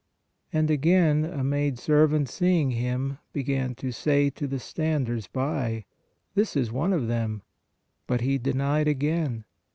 And again a maid servant seeing him, began to say to the standers by : This is one of them. But he denied again.